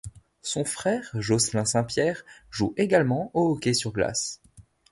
Son frère Josselin Saint-Pierre joue également au hockey sur glace.